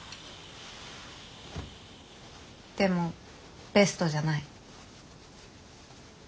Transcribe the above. でもベストじゃない。